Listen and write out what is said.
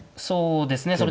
そうですね